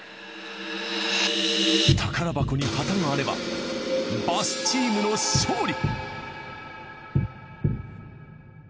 宝箱に旗があればバスチームの勝利。